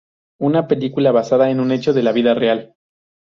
Una película basada en un hecho de la vida real.